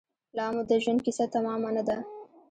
لامو د ژوند کیسه تمامه نه ده